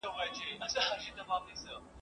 یوه سړي خو په یوه ټلیفوني رپوټ کي ..